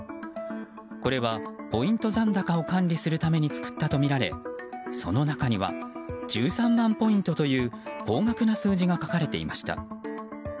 これはポイント残高を管理するために作ったとみられその中には１３万ポイントという高額な数字が書かれていました。